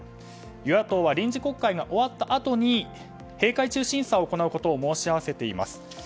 与野党は臨時国会が終わったあとに閉会中審査を行うことを申し合わせています